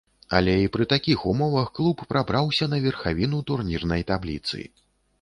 Але і пры такіх умовах клуб прабраўся на верхавіну турнірнай табліцы.